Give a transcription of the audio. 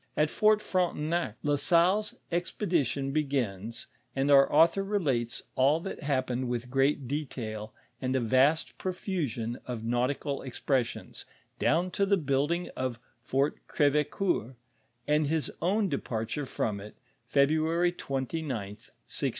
A^. Fort Frontenac Iia Salle's expedition begins, and our au Ihor relates all tlmt happened with great detail, and a vast profusion of nautical expresfdons, down to the building of Fort Crevecoeur, and his own departure from it, February 29th, 1080.